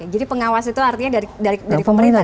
jadi pengawas itu artinya dari pemerintah